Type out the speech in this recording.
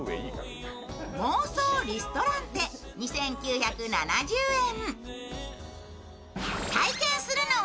妄想リストランテ、２９７０円。